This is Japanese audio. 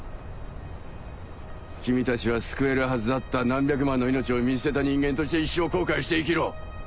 君たちは救えるはずだった何百万の命を見捨てた人間として一生後悔して生きろ！